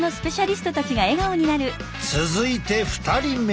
続いて２人目。